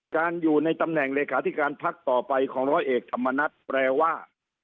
การอยู่ในตำแหน่งเลขาธิการพักต่อไปของร้อยเอกธรรมนัฏแปลว่า